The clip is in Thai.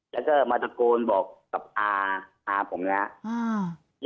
แล้วก็มาตะโกนบอกกับอาอาผมเนี่ย